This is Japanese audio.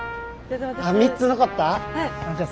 ３つ残った？